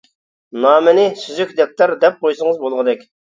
نامىنى «سۈزۈك دەپتەر» دەپ قويسىڭىز بولغۇدەك.